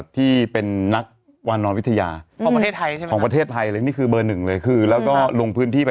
ที่เป็นนักนอนวิทยาประเทศไทยก็ไปทั้งประเทศ